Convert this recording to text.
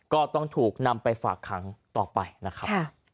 ก็ต้องถูกนำไปฝากขังต่อไปนะครับ